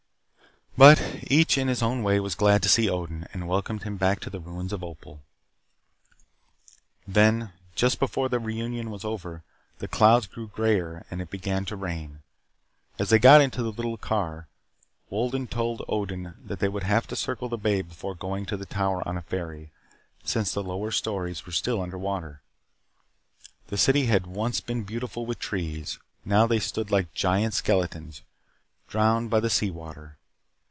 But each in his own way was glad to see Odin, and welcomed him back to the ruins of Opal. Then, just before the reunion was over, the clouds grew grayer and it began to rain. As they got into the little car, Wolden told Odin that they would have to circle the bay before going to the Tower on a ferry, since the lower stories were still under water. The city had once been beautiful with trees. Now they stood like gaunt skeletons, drowned by the sea water.